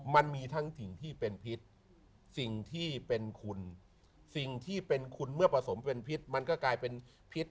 มันมีทั้งสิ่งที่เป็นพิษสิ่งที่เป็นคุณสิ่งที่เป็นคุณเมื่อผสมเป็นพิษมันก็กลายเป็นพิษ